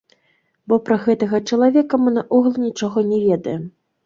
Бо пра гэтага чалавека мы наогул нічога не ведаем.